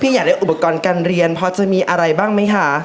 อยากได้อุปกรณ์การเรียนพอจะมีอะไรบ้างไหมคะ